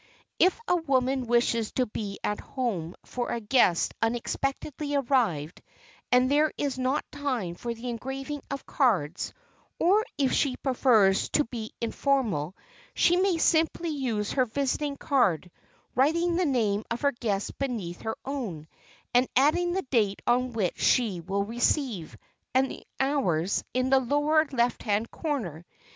If a woman wishes to be at home for a guest unexpectedly arrived, and there is not time for the engraving of cards, or if she prefers to be informal, she may simply use her visiting card, writing the name of her guest beneath her own, and adding the date on which she will receive, and the hours, in the lower left hand corner.